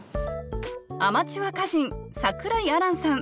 アマチュア歌人桜井あらんさん。